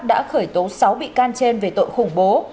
đã khởi tố sáu bị can trên về tội khủng bố